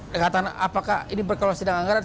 dekatan apakah ini kalau sedang anggaran